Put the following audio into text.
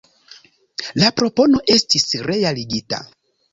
La propono estis realigita.